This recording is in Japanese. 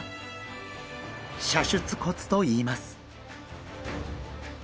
射出骨といいます。